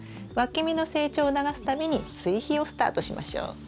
わき芽の成長を促すために追肥をスタートしましょう。